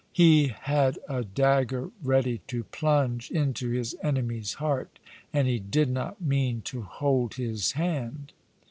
He had a dagger ready to plunge into his enemy's heart, and he did not mean to hold his hand.